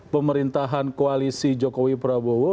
pemerintahan koalisi jokowi prabowo